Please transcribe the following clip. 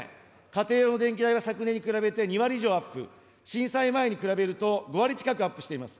家庭用の電気代は昨年に比べ２割以上アップ、震災前に比べると５割近くアップしています。